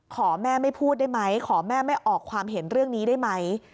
แม่ไม่พูดได้ไหมขอแม่ไม่ออกความเห็นเรื่องนี้ได้ไหม